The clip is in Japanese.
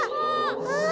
ああ！